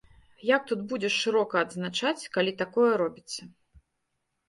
Як тут будзеш шырока адзначаць, калі такое робіцца?